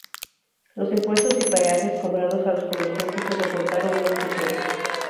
Los impuestos y peajes cobrados a los comerciantes le reportaron gran riqueza.